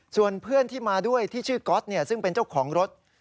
ส่วนเพื่อนที่มาด้วยที่ชื่อก๊อตซึ่งเป็นเจ้าของรถ